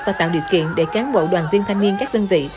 và tạo điều kiện để cán bộ đoàn viên thanh niên các đơn vị